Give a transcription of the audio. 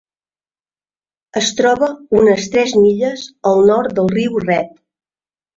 Es troba unes tres milles al nord del riu Red.